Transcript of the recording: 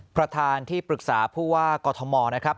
ประธานที่ปรึกษาผู้ว่ากอทมนะครับ